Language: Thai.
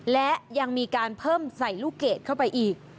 และยังมีการเพิ่มใส่ลูกเกดเข้าไปอีก